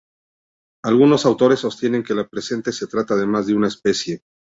Algunos autores sostienen que la presente se trata de más de una especie.